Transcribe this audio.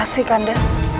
terima kasih kanda